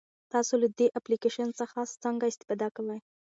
تاسو له دې اپلیکیشن څخه څنګه استفاده کوئ؟